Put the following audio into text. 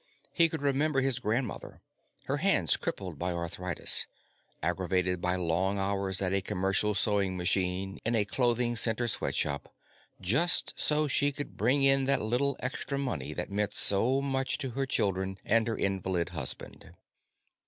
He could remember his grandmother, her hands crippled by arthritis, aggravated by long hours at a commercial sewing machine in a clothing center sweat shop, just so she could bring in that little extra money that meant so much to her children and her invalid husband.